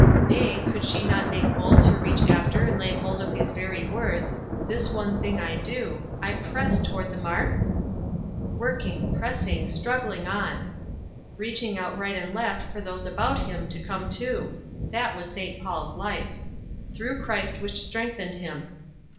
nay, could she not make bold to reach after and lay hold of these very words : "This one thing I do," " I press toward the mark "? Working, pressing, struggling on ! Beaching out right and left for those about him to come too ; that was St. Paul's life. "Through Christ which strengthened him."